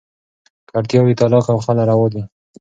که اړتیا وي، طلاق او خلع روا دي.